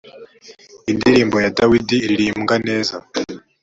indirimbo ya dawidi iririmbwa neza